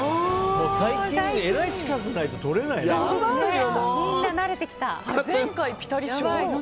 最近、えらい近くないととれないよね。